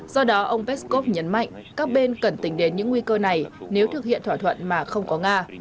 do đó ông peskov nhấn mạnh các bên cần tính đến những nguy cơ này nếu thực hiện thỏa thuận mà không có nga